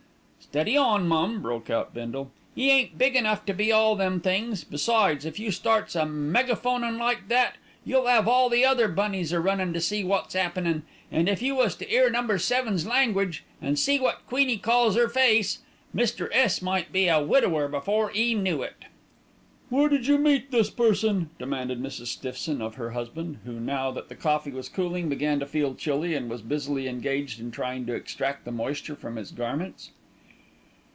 "Steady on, mum!" broke out Bindle. "'E ain't big enough to be all them things; besides, if you starts a megaphonin' like that, you'll 'ave all the other bunnies a runnin' in to see wot's 'appened, an' if you was to 'ear Number Seven's language, an' see wot Queenie calls 'er face, Mr. S. might be a widower before 'e knew it." "Where did you meet this person?" demanded Mrs. Stiffson of her husband, who, now that the coffee was cooling, began to feel chilly, and was busily engaged in trying to extract the moisture from his garments.